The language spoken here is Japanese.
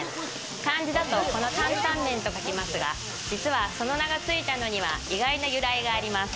漢字だと、この担々麺と書きますが、実はその名がついたのには意外な由来があります。